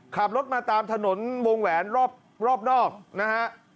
ขับรถมาตามถนนวงแหวนรอบนอกนะฮะ